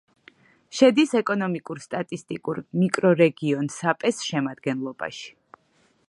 შედის ეკონომიკურ-სტატისტიკურ მიკრორეგიონ საპეს შემადგენლობაში.